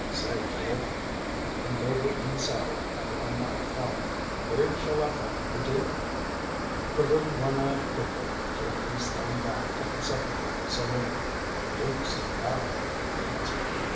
"Say, kid" he leaned over in the saddle, well nigh falling "where shall I find the Duke?" The little one eyed cripple jerked his thumb back at the Sepulchre saloon. "The Dook's in thar," he answered.